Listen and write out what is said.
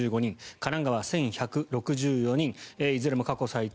神奈川、１１６４人いずれも過去最多。